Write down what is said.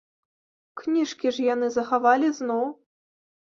Кніжкі ж яны захавалі зноў.